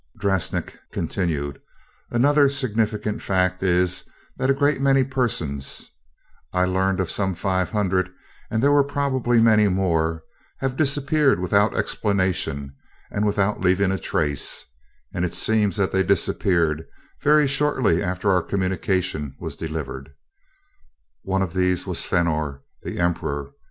Drasnik continued: "Another significant fact is that a great many persons I learned of some five hundred, and there were probably many more have disappeared without explanation and without leaving a trace; and it seems that they disappeared very shortly after our communication was delivered. One of these was Fenor, the Emperor.